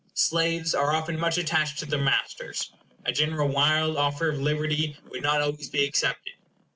Slaves are often much attached to their masters. A general wild offer of liberty would not always be accepted.